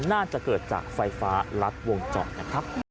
น่าจะเกิดจากไฟฟ้ารัดวงจรนะครับ